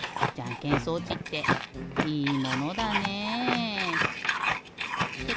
じゃんけん装置っていいものだねえ。